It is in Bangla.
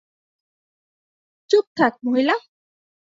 চুপ থাক, মহিলা।